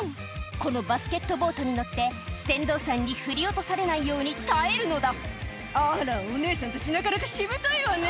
このバスケットボートに乗って船頭さんに振り落とされないように耐えるのだ「あらお姉さんたちなかなかしぶといわね」